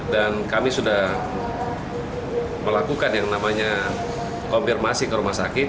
dan kami sudah melakukan yang namanya konfirmasi ke rumah sakit